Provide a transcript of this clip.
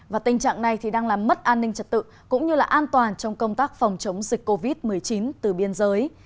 và tình trạng này đang làm mất an ninh trật tự cũng như là an toàn trong công tác phòng chống dịch covid một mươi chín từ biên giới